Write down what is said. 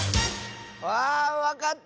あわかった！